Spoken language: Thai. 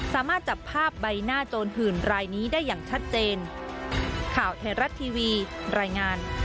สามารถจับภาพใบหน้าโจรหื่นรายนี้ได้อย่างชัดเจน